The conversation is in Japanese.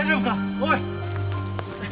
おい！